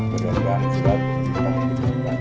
berjalan jalan juga berita penyelidikan